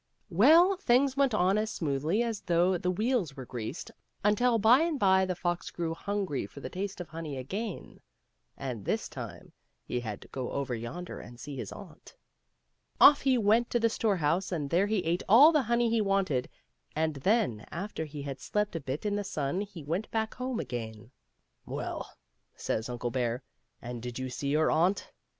Well, things went on as smoothly as though the wheels were greased, until by and by the fox grew hungry for a taste of honey again ; and this time he had to go over yonder and see his aunt. Off he went to the storehouse, and there he ate all the honey he wanted, and then, after he had slept a bit in the sun, he went back home again. " Well," says Uncle Bear, " and did you see your aunt?"